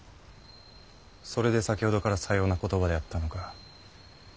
それで先ほどからさような言葉であったのか。